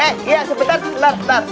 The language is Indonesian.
eh iya sebentar